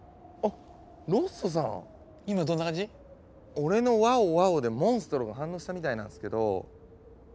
俺の「ワオワオ」でモンストロが反応したみたいなんですけど。